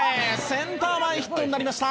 「センター前ヒットになりました」